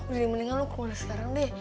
udah mendingan lu keluar sekarang deh